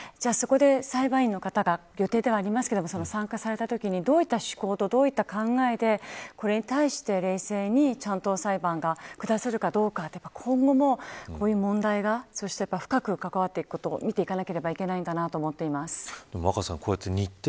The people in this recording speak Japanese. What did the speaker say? そこで、裁判員の方が予定ではありますけど参加されたときにどういった考えでこれに対して冷静にちゃんと裁判が下せるかどうか今後もこういう問題が深く関わっていくことを見ていかなければいけないと思っています。